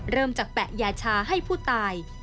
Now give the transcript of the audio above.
เริ่มจากแปะยาชาให้ผู้ตาย